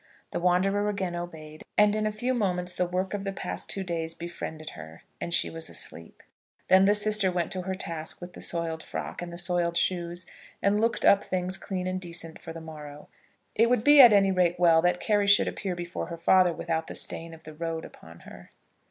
The wanderer again obeyed, and in a few moments the work of the past two days befriended her, and she was asleep. Then the sister went to her task with the soiled frock and the soiled shoes, and looked up things clean and decent for the morrow. It would be at any rate well that Carry should appear before her father without the stain of the road upon her.